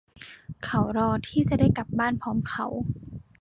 เขารอที่จะได้กลับบ้านพร้อมเขา